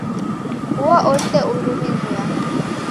Uo ose urumiria